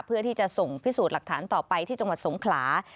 เพื่อที่จะส่งพิสูจน์หลักฐานต่อไปที่จังหวัดสงขลา